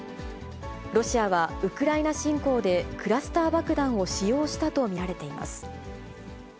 ロシアはウクライナ侵攻でクラスター爆弾を使用したと見られています。